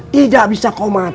tidak bisa komat